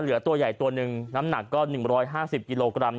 เหลือตัวใหญ่ตัวหนึ่งน้ำหนักก็๑๕๐กิโลกรัม